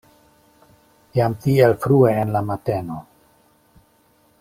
Jam tiel frue en la mateno?